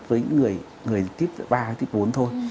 với những người tích ba tích bốn thôi